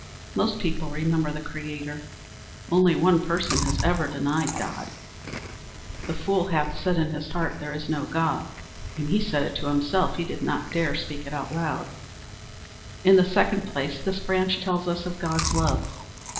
Most people remember the Creator. Only one person has ever denied God. "The fool hath said in his heart, there is no God." He said it to himself, he did not dare speak it out loud. In the second place, this branch tells us of God's Love.